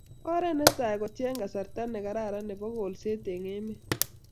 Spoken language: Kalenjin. Oret ne tai ko kecheng' kasarta ne karan nebo kolset eng" emet